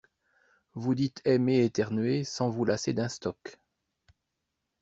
Vous dites aimer éternuer sans vous lasser d'un stock.